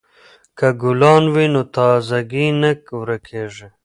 که ګلان وي نو تازه ګي نه ورکیږي.